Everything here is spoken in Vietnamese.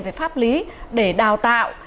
về pháp lý để đào tạo